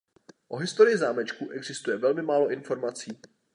O historii zámečku existuje velmi málo informací.